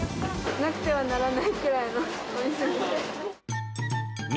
なくてはならないくらいのお店ですね。